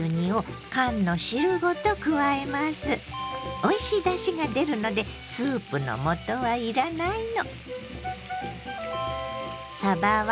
おいしいだしが出るのでスープの素はいらないの。